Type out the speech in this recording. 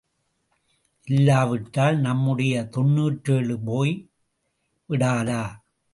இல்லாவிட்டால் நம்முடைய தொன்னூற்றேழு போய் விடாதா?